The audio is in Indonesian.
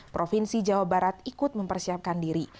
provinsi jawa barat ikut mempersiapkan diri